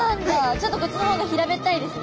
ちょっとこっちの方が平べったいですね。